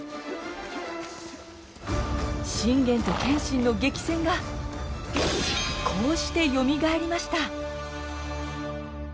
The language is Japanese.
信玄と謙信の激戦がこうしてよみがえりました。